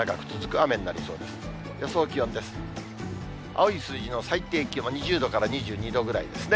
青い数字の最低気温、２０度から２２度ぐらいですね。